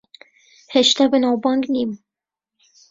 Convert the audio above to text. هێشتا بەناوبانگ نیم.